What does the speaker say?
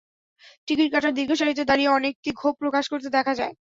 Ticket কাটার দীর্ঘ সারিতে দাঁড়িয়ে অনেককেই ক্ষোভ প্রকাশ করতে দেখা যায়।